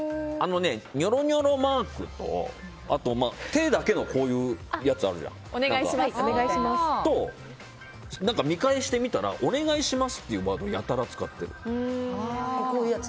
にょろにょろマークとあと手だけのこういうやつとあと、見返してみたらお願いしますっていうマークやたら使ってる。